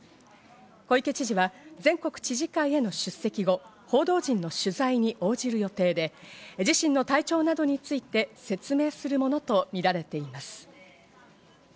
小池知事は全国知事会への出席後、報道陣の取材に応じる予定で、自身の体調などについて説明するものとみられています。